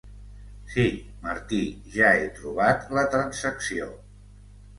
Sí, Martí, ja he trobat la transacció.